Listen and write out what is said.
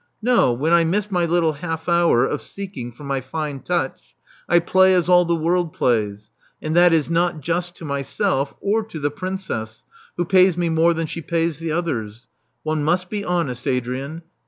No, when I miss my little half hour of seeking for my fine touch, I play as all the world plays; and that is not just to myself, or to the Princess, who pays me more than she pays the others. One must be honest, Adrian.